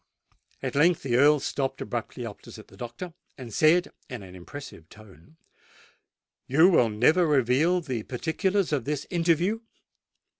At length the Earl stopped abruptly opposite the doctor, and said in an impressive tone, "You will never reveal the particulars of this interview?"